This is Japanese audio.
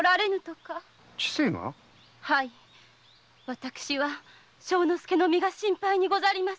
私は正之助の身が心配にござります。